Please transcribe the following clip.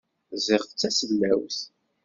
Ziɣ tasellawt.